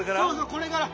これから。